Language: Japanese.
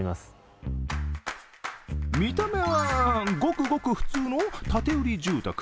見た目はごくごく普通の建売住宅。